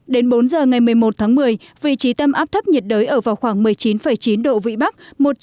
đến bốn giờ ngày một mươi một tháng một mươi vị trí tâm áp thấp nhiệt đới ở vào khoảng một mươi chín chín độ vĩ bắc